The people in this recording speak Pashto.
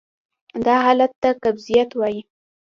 دا حالت ته قبضیت وایې.